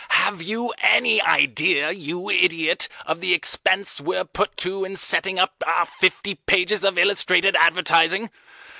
Have you any idea, you idiot, of the expense we're put to in setting up our fifty pages of illustrated advertising?